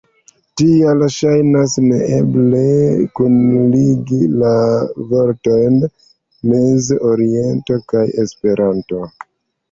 Tial ŝajnas neeble kunligi la vortojn “Meza Oriento” kaj “Esperanto”.